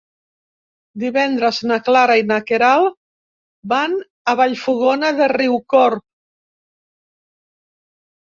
Divendres na Clara i na Queralt van a Vallfogona de Riucorb.